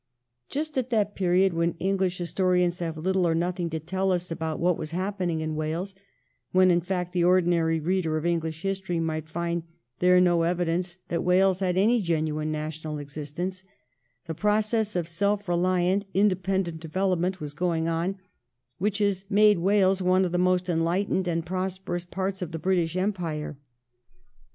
Just at that period when English historians have little or nothing to tell us about what was happening in Wales — when, in fact, the ordinary reader of English history might find there no evidence that Wales had any genuine national existence — the process of self reliant, inde pendent development was going on, which has made Wales one of the most enlightened and prosperous parts of the British Empire.